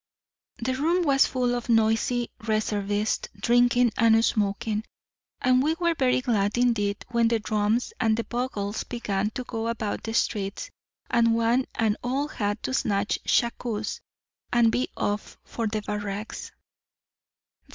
The room was full of noisy reservists drinking and smoking; and we were very glad indeed when the drums and bugles began to go about the streets, and one and all had to snatch shakoes and be off for the barracks.